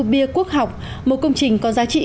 bia quốc học một công trình có giá trị